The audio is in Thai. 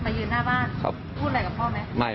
ยืนหน้าบ้านพูดอะไรกับพ่อไหม